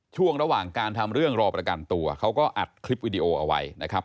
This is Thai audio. ช่วงระหว่างการทำเรื่องรอประกันตัวเขาก็อัดคลิปวิดีโอเอาไว้นะครับ